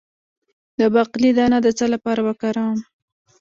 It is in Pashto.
د باقلي دانه د څه لپاره وکاروم؟